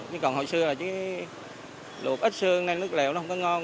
chứ còn hồi xưa là chứ luộc ít xương nên nước lẹo nó không có ngon